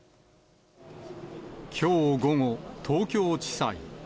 きょう午後、東京地裁。